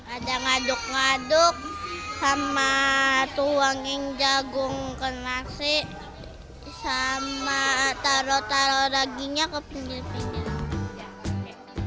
ada ngaduk ngaduk sama tuangin jagung ke nasi sama taruh taruh dagingnya ke pinggir pinggir